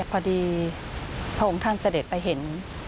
พระองค์ท่านเสด็จไปเห็น